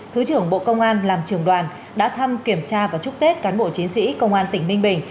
thứ trưởng bộ công an làm trường đoàn đã thăm kiểm tra và chúc tết cán bộ chiến sĩ công an tỉnh ninh bình